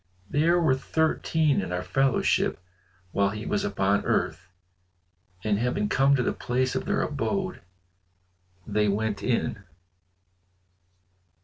There were thirteen in our fellowship while he was upon earth." And having come to the place of their abode, they went in.